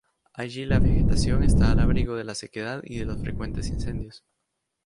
Allí la vegetación está al abrigo de la sequedad y de los frecuentes incendios.